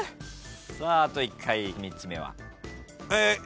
さああと１回３つ目は？